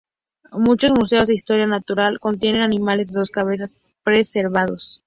Muchos museos de historia natural contienen animales de dos cabezas preservados.